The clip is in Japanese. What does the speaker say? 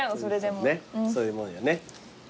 そういうもんよね。